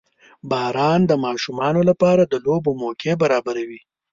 • باران د ماشومانو لپاره د لوبو موقع برابروي.